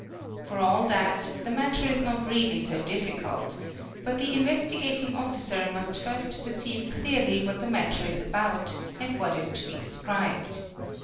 For all that, the matter is not really so difficult; but the Investigating Officer must first perceive clearly what the matter is about and what is to be described.